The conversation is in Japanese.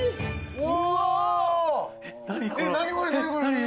うわ！